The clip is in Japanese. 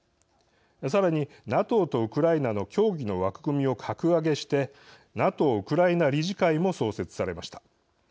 さらに、ＮＡＴＯとウクライナの協議の枠組みを格上げしてＮＡＴＯウクライナ理事会も創設されました。